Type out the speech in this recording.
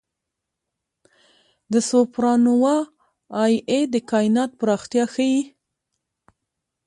د سوپرنووا Ia د کائنات پراختیا ښيي.